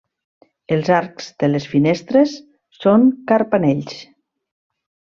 Els arcs de les finestres són carpanells.